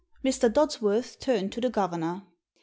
Mr. Dods worth turned to the governor.